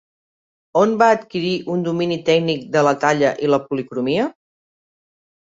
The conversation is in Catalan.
On va adquirir un domini tècnic de la talla i la policromia?